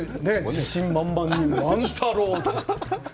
自信満々で「万太郎」って。